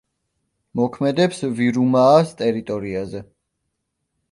მოქმედებს ვირუმაას ტერიტორიაზე.